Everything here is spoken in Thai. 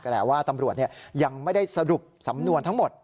แหละว่าตำรวจยังไม่ได้สรุปสำนวนทั้งหมด